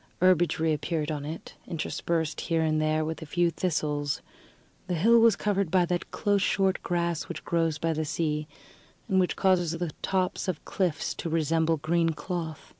Herbage reappeared on it, interspersed here and there with a few thistles; the hill was covered by that close short grass which grows by the sea, and causes the tops of cliffs to resemble green cloth.